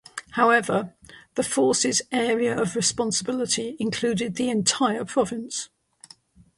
However, the force's area of responsibility included the entire province.